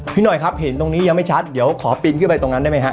พี่หน่อยครับเห็นตรงนี้ยังไม่ชัดเดี๋ยวขอปีนขึ้นไปตรงนั้นได้ไหมฮะ